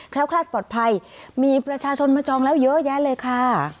คลาดปลอดภัยมีประชาชนมาจองแล้วเยอะแยะเลยค่ะ